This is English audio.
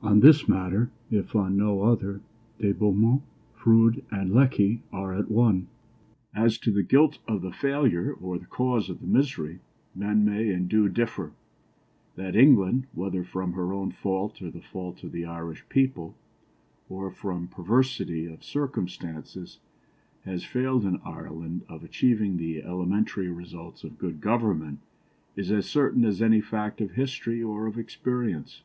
On this matter, if on no other, De Beaumont, Froude, and Lecky are at one. As to the guilt of the failure or the cause of the misery, men may and do differ; that England, whether from her own fault or the fault of the Irish people, or from perversity of circumstances, has failed in Ireland of achieving the elementary results of good government is as certain as any fact of history or of experience.